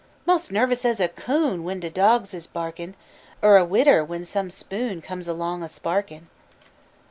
'Most as nervous as a coon When de dawgs is barkin', Er a widder when some spoon Comes along a sparkin'.